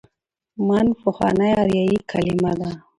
من: پخوانۍ آریايي کليمه ده.